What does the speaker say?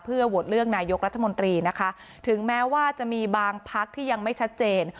โหวตเลือกนายกรัฐมนตรีนะคะถึงแม้ว่าจะมีบางพักที่ยังไม่ชัดเจน